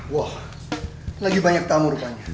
wah lagi banyak tamu rupanya